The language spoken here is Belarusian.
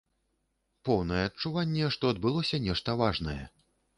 Поўнае адчуванне, што адбылося нешта важнае.